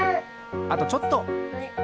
あとちょっと。